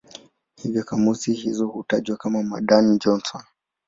Hivyo kamusi hizo hutajwa kama "Madan-Johnson".